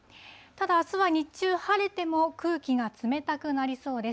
ただ、あすは日中、晴れても空気が冷たくなりそうです。